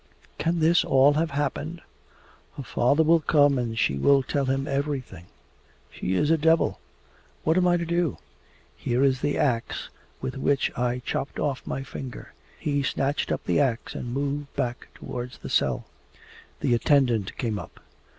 'Can this all have happened? Her father will come and she will tell him everything. She is a devil! What am I to do? Here is the axe with which I chopped off my finger.' He snatched up the axe and moved back towards the cell. The attendant came up.